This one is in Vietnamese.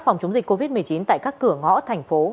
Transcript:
phòng chống dịch covid một mươi chín tại các cửa ngõ thành phố